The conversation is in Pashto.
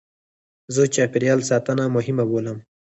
زه چاپېریال ساتنه مهمه بولم.